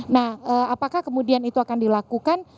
nah apakah kemudian itu akan dilakukan